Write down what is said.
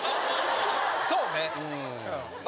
そうねうんま